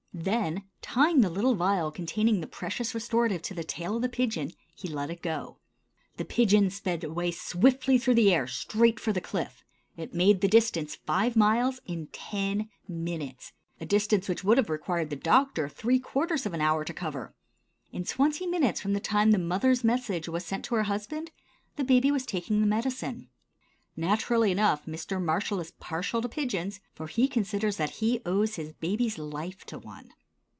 Then tying the little vial containing the precious restorative to the tail of the pigeon, he let it go. The pigeon sped away swiftly through the air straight for the Cliff. It made the distance, five miles, in ten minutes, a distance which would have required the doctor three quarters of an hour to cover. In twenty minutes from the time the mother's message was sent to her husband the baby was taking the medicine. Naturally enough Mr. Marsh is partial to pigeons, for he considers that he owes his baby's life to one.